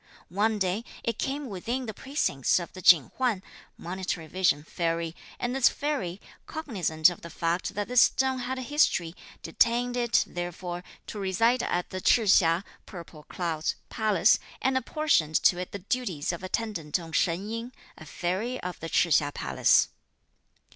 One day it came within the precincts of the Ching Huan (Monitory Vision) Fairy; and this Fairy, cognizant of the fact that this stone had a history, detained it, therefore, to reside at the Ch'ih Hsia (purple clouds) palace, and apportioned to it the duties of attendant on Shen Ying, a fairy of the Ch'ih Hsia palace.